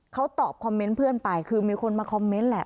เขาตอบคอมเมนต์เพื่อนไปคือมีคนมาคอมเมนต์แหละ